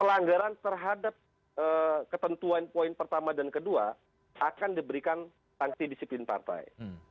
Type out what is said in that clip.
ada ketentuan poin pertama dan kedua akan diberikan tanggti disiplin partai